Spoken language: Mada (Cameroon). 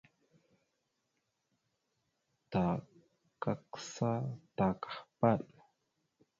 Ta kagsa ta kahpaɗ.